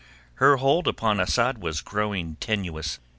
Her hold upon Asad was growing tenuous.